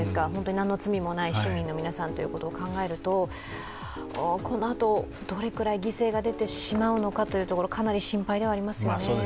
何の罪もない市民の皆さんと考えると、このあと、どれくらい犠牲が出てしまうのかというところかなり心配ではありますよね。